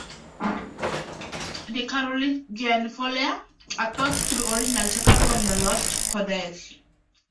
The Carolingian folia are thought to be originals taken from the lost codex.